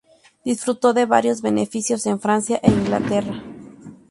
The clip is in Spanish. Disfrutó de varios beneficios en Francia e Inglaterra.